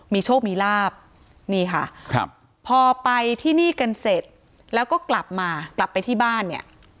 มีโชคมีลาบนี่ค่ะครับพอไปที่นี่กันเสร็จแล้วก็กลับมากลับไปที่บ้านเนี่ย